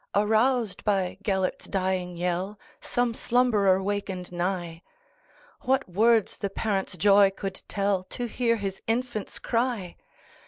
Aroused by Gêlert's dying yell, Some slumberer wakened nigh:What words the parent's joy could tellTo hear his infant's cry!